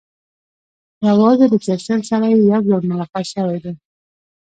یوازې له چرچل سره یې یو ځل ملاقات شوی دی.